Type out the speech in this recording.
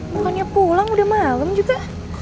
bukannya pulang udah malem juga